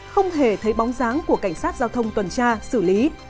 không hề thấy bóng dáng của cảnh sát giao thông tuần tra xử lý